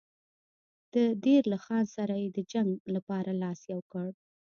د دیر له خان سره یې د جنګ لپاره لاس یو کړ.